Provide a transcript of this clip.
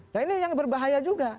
nah ini yang berbahaya juga